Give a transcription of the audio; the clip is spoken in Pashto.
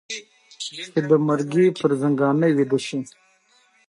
ـ څوک چې ستوان خوري شپېلۍ نه وهي .